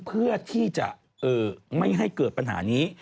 เพื่อที่จะไม่ให้เกิดปัญหานี้